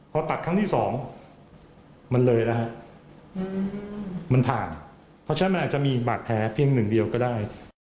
พอตัดครั้งที่๒มันเลยนะครับมันผ่านเพราะฉะนั้นมันอาจจะมีบัตรแท้เพียง๑เดียวก็ได้